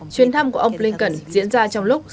chuyến thăm của ông blinken diễn ra trong lúc